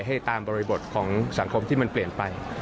ให้ตามบริบทของสังคมที่มันเปลี่ยนไป